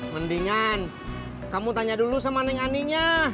mendingan kamu tanya dulu sama neng aninya